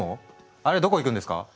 あれどこ行くんですか？